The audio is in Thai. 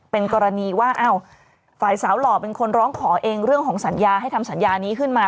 เป็นกรณีว่าอ้าวฝ่ายสาวหล่อเป็นคนร้องขอเองเรื่องของสัญญาให้ทำสัญญานี้ขึ้นมา